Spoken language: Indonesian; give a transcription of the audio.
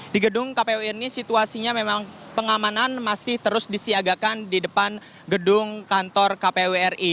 di gedung kpu ini situasinya memang pengamanan masih terus disiagakan di depan gedung kantor kpu ri